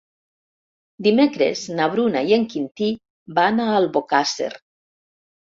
Dimecres na Bruna i en Quintí van a Albocàsser.